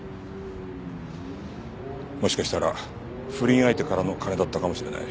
もしかしたら不倫相手からの金だったかもしれない。